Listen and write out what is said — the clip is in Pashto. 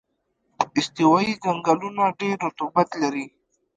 استوایي ځنګلونه ډېر رطوبت لري.